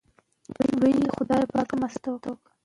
که قدم ووهل شي شکر به ثابت شي.